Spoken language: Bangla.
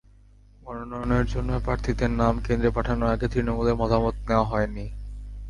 মনোনয়নের জন্য প্রার্থীদের নাম কেন্দ্রে পাঠানোর আগে তৃণমূলের মতামত নেওয়া হয়নি।